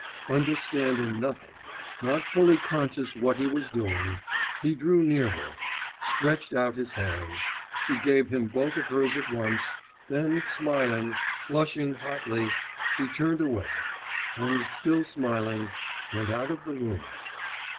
Understanding nothing, not fully conscious what he was doing, he drew near her, stretched out his hands.... She gave him both of hers at once, then smiling, flushing hotly, she turned away, and still smiling, went out of the room.